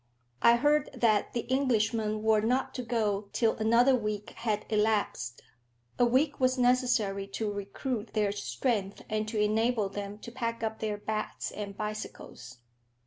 I heard that the Englishmen were not to go till another week had elapsed. A week was necessary to recruit their strength and to enable them to pack up their bats and bicycles.